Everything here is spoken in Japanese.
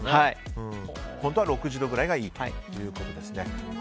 本当は６０度くらいがいいということですね。